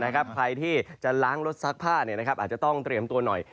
ใครที่จะล้างรถซักผ้าอาจจะต้องเตรียมตัวหน่อย